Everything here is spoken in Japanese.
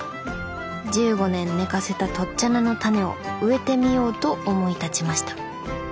１５年寝かせたとっちゃ菜のタネを植えてみようと思い立ちました。